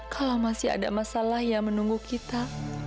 kalau masih ada masalah yang menunggu kita